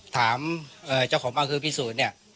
ถามเจ้าของบ้านคือพี่สูตร